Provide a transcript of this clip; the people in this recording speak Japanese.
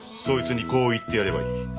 そいつにこう言ってやればいい。